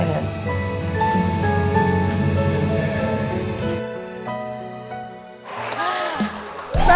tidak ada yang bisa dihukum